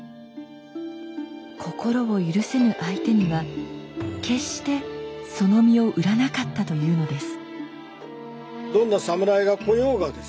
心を許せぬ相手には決してその身を売らなかったというのです。